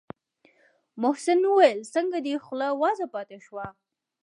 محسن وويل څنگه دې خوله وازه پاته شوه.